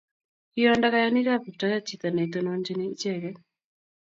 kiiondo kayanikab kiptayat chito ne itonononchini icheke